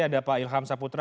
ada pak ilham saputra